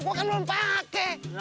gue kan belum pake